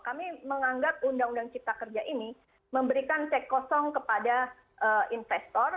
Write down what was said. kami menganggap undang undang cipta kerja ini memberikan cek kosong kepada investor